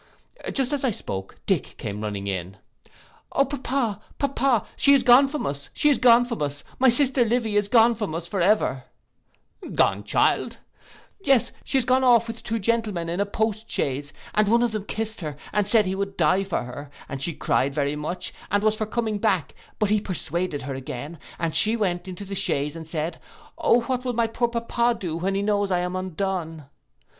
'—Just as I spoke Dick came running in. 'O pappa, pappa, she is gone from us, she is gone from us, my sister Livy is gone from us for ever'—'Gone, child'—'Yes, she is gone off with two gentlemen in a post chaise, and one of them kissed her, and said he would die for her; and she cried very much, and was for coming back; but he persuaded her again, and she went into the chaise, and said, O what will my poor pappa do when he knows I am undone!